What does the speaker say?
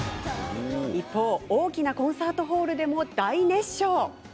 一方、大きなコンサートホールでも大熱唱。